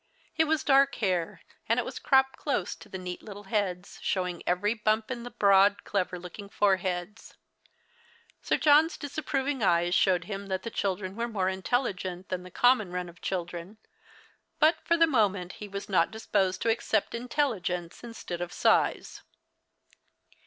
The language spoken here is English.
It was dark hair, and it was cropped close to the neat little heads, showing every bump in the broad, clever looking foreheads. Sir John's disap23roving eyes showed him that the children were more intelligent than the common run of children ; but for the moment he was not disposed to accejjt intelligence instead of size.